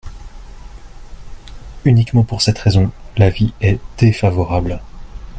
Uniquement pour cette raison, l’avis est défavorable.